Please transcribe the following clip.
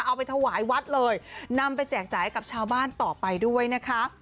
เอาไปถวายวัดเลยนำไปแจกจ่ายให้กับชาวบ้านต่อไปด้วยนะคะ